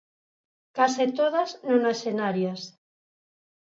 Case todas nonaxenarias.